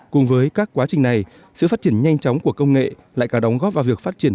cùng với các quá trình này sự phát triển nhanh chóng của công nghệ lại cả đóng góp vào việc phát triển